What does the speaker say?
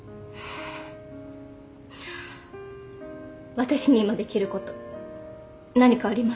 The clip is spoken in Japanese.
私に今できること何かありますか？